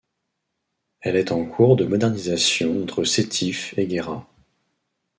Elle est en cours de modernisation entre Sétif et Guerrah.